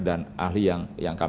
dan ahli yang kami kaitkan